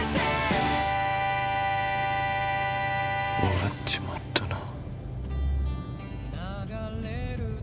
終わっちまったな。